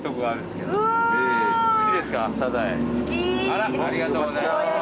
ありがとうございます。